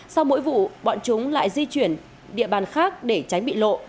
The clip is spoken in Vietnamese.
sau mỗi vụ bọn chúng lại di chuyển địa bàn khác để tránh bị lộ